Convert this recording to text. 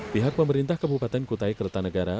pihak pemerintah kabupaten kutai kertanegara